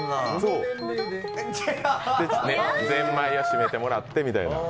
ぜんまいをしめてもらってみたいな。